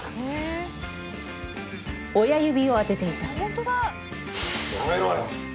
親指を当てていたやめろよ！